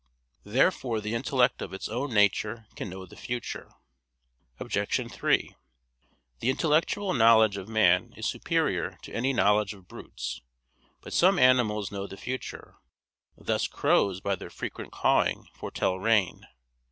Therefore the intellect of its own nature can know the future. Obj. 3: The intellectual knowledge of man is superior to any knowledge of brutes. But some animals know the future; thus crows by their frequent cawing foretell rain.